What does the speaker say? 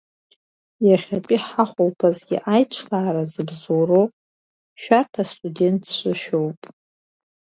Иахьатәи ҳахәылԥазгьы аиҿкаара зыбзоуроу, шәарҭ, астудентцәа шәоуп.